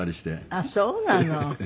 ああそうなの？